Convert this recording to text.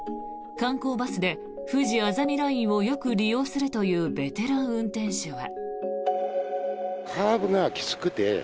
観光バスでふじあざみラインをよく利用するというベテラン運転手は。